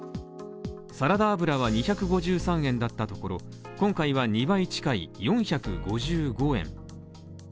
サラダ油は２５３円だったところ今回は２倍近い４５５円。